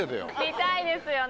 見たいですよね？